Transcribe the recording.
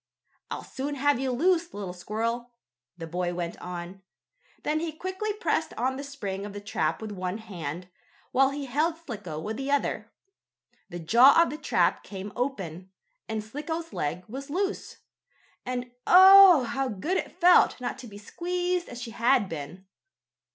"I'll soon have you loose, little squirrel," the boy went on. Then he quickly pressed on the spring of the trap with one hand, while he held Slicko with the other. The jaws of the trap came open, and Slicko's leg was loose. And oh! how good it felt not to be squeezed as she had been.